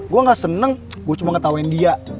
gue gak seneng gue cuma ngetawain dia